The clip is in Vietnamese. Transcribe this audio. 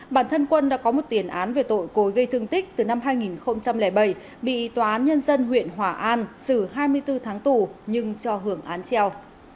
bản thân quân đã có một tiền án về tội cối gây thương tích từ năm hai nghìn bảy bị tòa án nhân dân huyện hỏa an xử hai mươi bốn tháng tù nhưng cho hưởng án treo